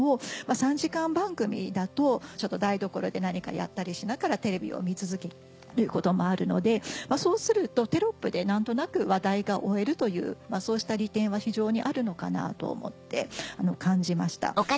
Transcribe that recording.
３時間番組だとちょっと台所で何かやったりしながらテレビを見続けるということもあるのでそうするとテロップで何となく話題が追えるというそうした利点は非常にあるのかなと思って感じました。